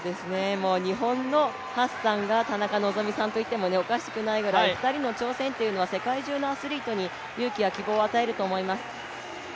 日本のハッサンが田中希実さんといってもおかしくないぐらい２人の挑戦というのは世界中のアスリートに勇気や希望を与えると思います。